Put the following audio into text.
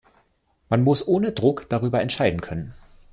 Man muss ohne Druck darüber entscheiden können.